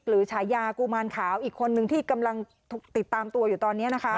ฉายากุมารขาวอีกคนนึงที่กำลังติดตามตัวอยู่ตอนนี้นะคะ